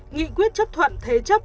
nghị quyết chấp thuận thế chấp